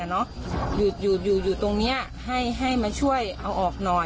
อ่ะเนอะอยู่อยู่อยู่อยู่ตรงเนี้ยให้ให้มาช่วยเอาออกหน่อย